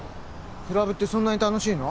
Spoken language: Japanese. クラブってそんなに楽しいの？